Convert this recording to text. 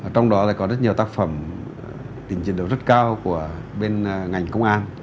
trong đó có rất nhiều tác phẩm tình trình đấu rất cao của bên ngành công an